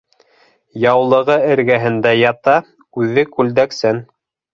Яулығы эргәһендә ята, үҙе күлдәксән.